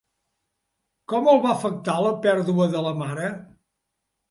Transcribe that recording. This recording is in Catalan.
Com el va afectar la pèrdua de la mare?